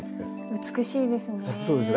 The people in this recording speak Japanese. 美しいですね。